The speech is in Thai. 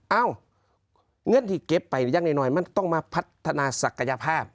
เอ้าเงินที่เก็บไปหรือยังน้อยมันต้องมาพัฒนาศักยภาพ